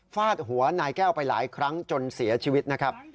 ฟาดหัวนายแก้วไปหลายครั้งจนเสียชีวิตนะครับ